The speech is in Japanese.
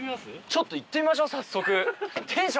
ちょっと行ってみましょう早速。